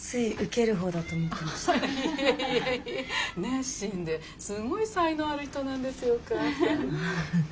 熱心ですごい才能ある人なんですよお母さん。